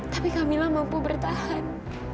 tapi kamilah mampu bertahan